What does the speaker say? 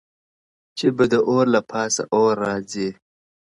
چي به د اور له پاسه اور راځي.!